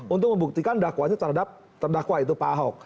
untuk membuktikan dakwaannya terhadap terdakwa itu pak ahok